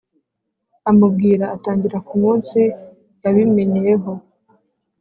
amubwira atangira ku munsi yabimenyeyeho